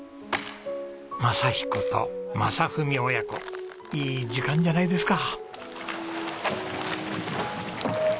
正彦と正文親子いい時間じゃないですか。